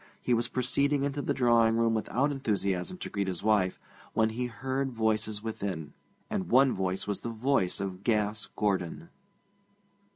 He was proceeding into the drawing room without enthusiasm to greet his wife, when he heard voices within; and one voice was the voice of Gas Gordon.